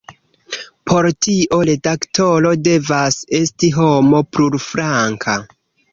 Por tio, redaktoro devas esti homo plurflanka.